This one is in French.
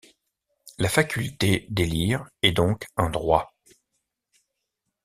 La faculté d'élire est donc un droit.